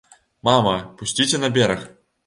Мама, пусціце на бераг.